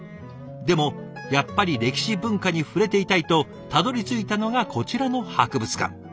でもやっぱり歴史文化に触れていたいとたどりついたのがこちらの博物館。